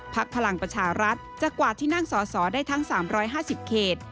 พลังประชารัฐจะกวาดที่นั่งสอสอได้ทั้ง๓๕๐เขต